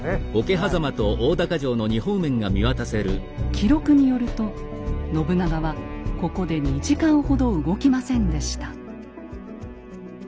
記録によると信長はここで２時間ほど動きませんでした。